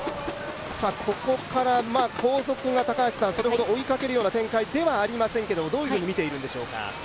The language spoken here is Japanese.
ここから、後続がそれほど追いかける展開ではありませんがどういうふうにみているんでしょうか。